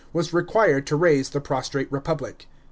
was required to raise the prostrate republic.